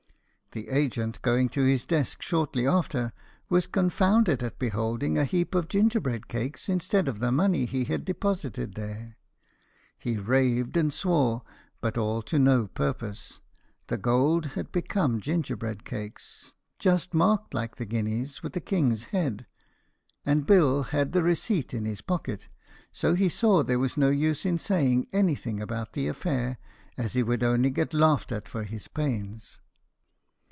The agent going to his desk shortly after, was confounded at beholding a heap of gingerbread cakes instead of the money he had deposited there. He raved and swore, but all to no purpose; the gold had become gingerbread cakes, just marked like the guineas, with the king's head; and Bill had the receipt in his pocket; so he saw there was no use in saying anything about the affair, as he would only get laughed at for his pains.